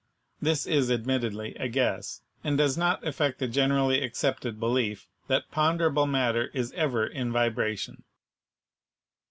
This is admittedly a guess, and does not affect the generally accepted belief that ponderable matter is ever in vibration.